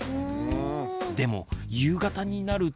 でも夕方になると。